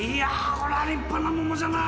これは立派な桃じゃな。